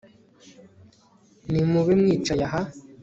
nimube mwicaye aha